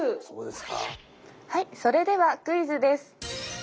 はいそれではクイズです。